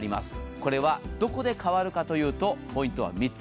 これはどこで変わるかというとポイントは３つ。